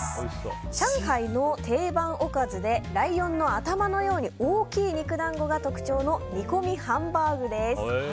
上海の定番おかずでライオンの頭のように大きい肉団子が特徴の煮込みハンバーグです。